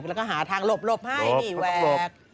แล้วก็หาทางหลบให้นี่แหวก